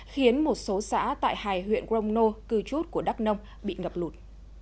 khiến một số xã tại hài huyện gromno cư chút của đắk nông bị ngập lụt